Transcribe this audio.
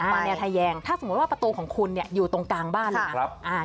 แนวทะแยงถ้าสมมุติว่าประตูของคุณเนี่ยอยู่ตรงกลางบ้านเลยนะ